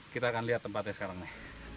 kita akan lihat tempatnya sekarang nih